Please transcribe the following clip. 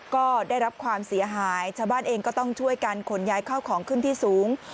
ก็ได้รับความเสียหายชาวบ้านเองก็ต้องช่วยกันขนย้ายเข้าของขึ้นที่สูง